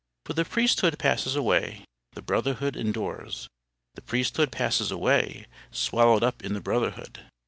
For the priesthood passes away, the brotherhood endures. The priesthood passes away, swallowed up in the brotherhood.